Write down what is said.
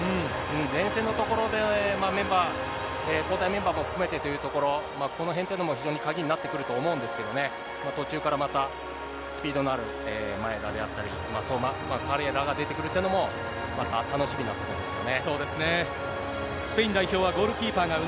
前線のところで、メンバー、交代メンバーも含めてというところ、このへんというのも、非常に鍵になってくると思うんですけどね、途中からまた、スピードのある前田であったり、相馬、彼らが出てくるというのも、また楽しみなところですよね。